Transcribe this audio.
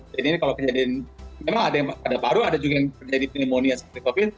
jadi ini kalau terjadi memang ada yang pada paru ada juga yang terjadi pneumonia seperti covid